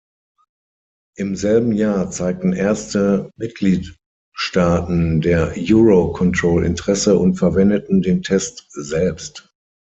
Im selben Jahr zeigten erste Mitgliedstaaten der Eurocontrol Interesse und verwendeten den Test selbst.